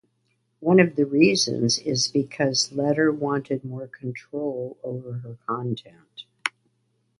One of the reasons is because Letter wanted more control over her content.